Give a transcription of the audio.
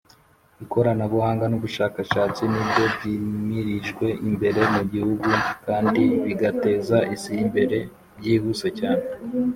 ikoranabuhanga nubushakashatsi nibyo byimirijwe imbere mu gihugu kandi bigateza isi imbere byihuse cyane